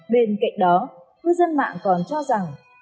bên cạnh đó cư dân mạng còn cho rằng